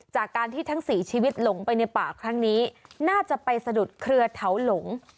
จากการที่ทั้งสี่ชีวิตหลงไปในป่าครั้งนี้น่าจะไปสะดุดเครือเถาหลง